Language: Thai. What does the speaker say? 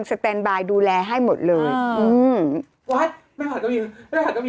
อ๋อกับลิงอยู่ด้วยกัน